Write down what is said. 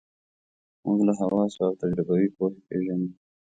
موږ له حواسو او تجربوي پوهې پېژنو.